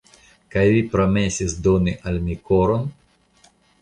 Kaj vi promesis doni al mi koron?